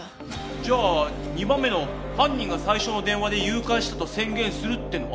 じゃあ２番目の犯人が最初の電話で誘拐したと宣言するってのは？